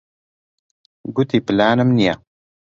گوتی پلانم نییە.